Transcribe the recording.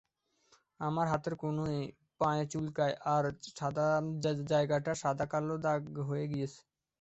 আমার হাতের কনুই, পায়ে চুলকায় আর জায়গাটা সাদা কালো দাগ হয়ে গিয়েছে।